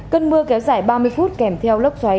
cơn mưa kéo dài ba mươi phút kèm theo lốc xoáy